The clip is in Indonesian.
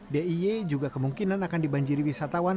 d i y juga kemungkinan akan dibanjiri wisatawan